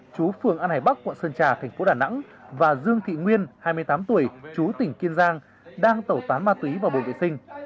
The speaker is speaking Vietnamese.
chú phường an hải bắc quận sơn trà thành phố đà nẵng và dương thị nguyên hai mươi tám tuổi chú tỉnh kiên giang đang tẩu tán ma túy vào bờ vệ sinh